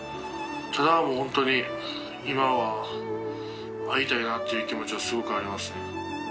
ただもう本当に今は会いたいなっていう気持ちがすごくありますね